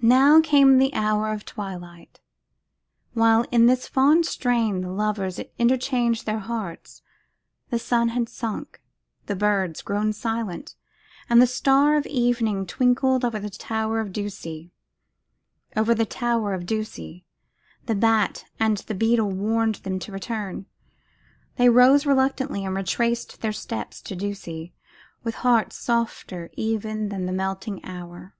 Now came the hour of twilight. While in this fond strain the lovers interchanged their hearts, the sun had sunk, the birds grown silent, and the star of evening twinkled over the tower of Ducie. The bat and the beetle warned them to return. They rose reluctantly and retraced their steps to Ducie, with hearts softer even than the melting hour.